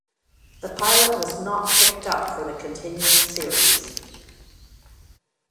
The pilot was not picked up for the continuing series.